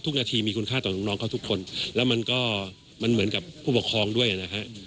นาทีมีคุณค่าต่อน้องเขาทุกคนแล้วมันก็มันเหมือนกับผู้ปกครองด้วยนะฮะ